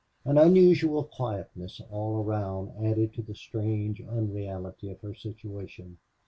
An unusual quietness all around added to the strange unreality of her situation.